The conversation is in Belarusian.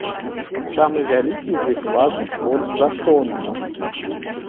Самы вялікі з іх важыць больш за тону.